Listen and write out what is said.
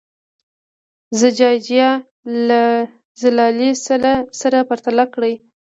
زجاجیه له زلالیې سره پرتله کړئ.